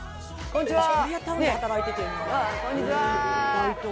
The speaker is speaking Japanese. こんにちは。